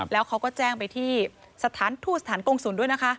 แล้วเขาก็แจ้งไปที่สถานทูตสถานกงศูนย์ด้วยนะคะ